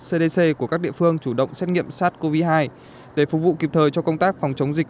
cdc của các địa phương chủ động xét nghiệm sars cov hai để phục vụ kịp thời cho công tác phòng chống dịch